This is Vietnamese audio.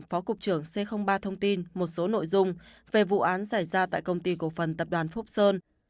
phó cục trưởng c ba thông tin một số nội dung về vụ án xảy ra tại công ty cổ phần tập đoàn phúc sơn